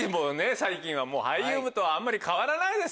最近は俳優とあんまり変わらないです。